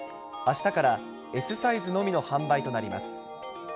あしたからＳサイズのみの販売となります。